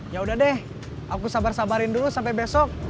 yaudah deh aku sabar sabarin dulu sampai besok